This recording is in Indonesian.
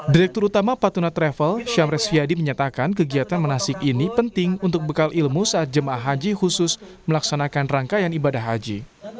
direktur utama patuna travel syamri siadi menyatakan kegiatan menasik ini penting untuk bekal ilmu saat jemaah haji khusus melaksanakan rangkaian ibadah haji